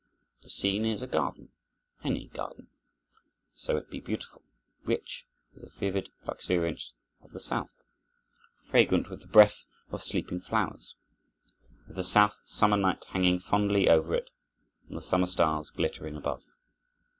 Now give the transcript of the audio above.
The scene is a garden—any garden, so it be beautiful, rich with the vivid luxuriance of the South, fragrant with the breath of sleeping flowers, with the South summer night hanging fondly over it, and the summer stars glittering above.